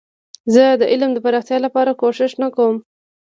زه د علم د پراختیا لپاره کوښښ نه کوم.